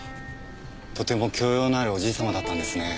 とても教養のあるおじいさまだったんですね。